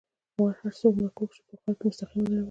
مار هر څومره کوږ شي په غار کې مستقيم ورننوزي.